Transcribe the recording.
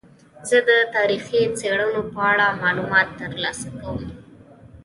زه د تاریخي څیړنو په اړه معلومات ترلاسه کوم.